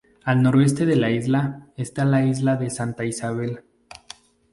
Al noroeste de la isla esta la Isla de Santa Isabel.